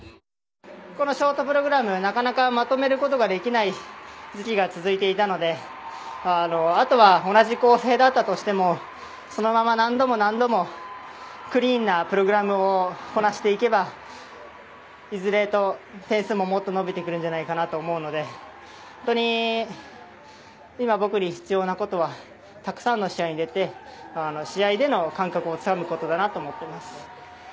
このショートプログラムなかなかまとめることができない月がついていたのであとは同じ構成だったとしてもそのまま、何度も何度もクリーンなプログラムをこなしていけばいずれ点数ももっと伸びてくるじゃないかなと思うので今、僕に必要なことはたくさんの試合に出て試合での感覚をつかむことだなと思っています。